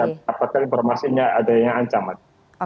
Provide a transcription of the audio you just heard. ya kita dapatkan informasinya adanya ancaman